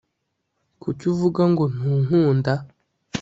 Kuki uvuga ngo ntunkunda